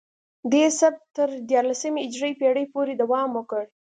دې سبک تر دیارلسمې هجري پیړۍ پورې دوام وکړ